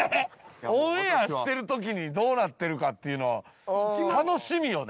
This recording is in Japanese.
オンエアしてる時にどうなってるかっていうの楽しみよね。